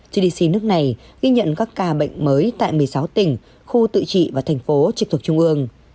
gdp nước này ghi nhận các ca bệnh mới tại một mươi sáu tỉnh khu tự trị và thành phố trực thuộc trung ương